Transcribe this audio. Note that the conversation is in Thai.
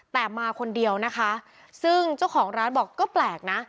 แต่มาคนเดียวนะคะซึ่งเจ้าของร้านบอกก็แปลกนะ